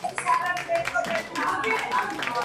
დაჯილდოების ტრიუმფატორი გახდა ფილმი „ამერიკული სილამაზე“.